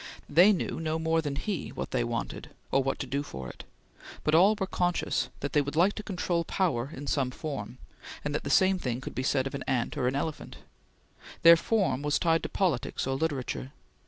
They knew no more than he what they wanted or what to do for it, but all were conscious that they would like to control power in some form; and the same thing could be said of an ant or an elephant. Their form was tied to politics or literature.